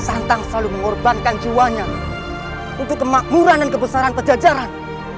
santang selalu mengorbankan jiwanya untuk kemakmuran dan kebesaran pejajaran